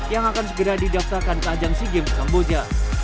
yang akan segera didaftarkan ke ajang sea games kamboja